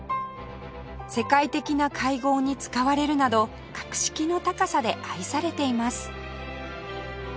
世界的な会合に使われるなど格式の高さで愛されています